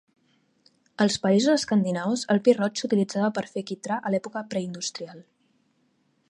Als països escandinaus, el pi roig s'utilitzava per fer quitrà a l'època preindustrial.